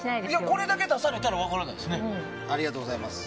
これだけ出されたら分からないですね。